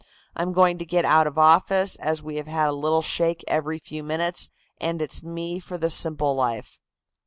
I'm going to get out of office, as we have had a little shake every few minutes, and it's me for the simple life."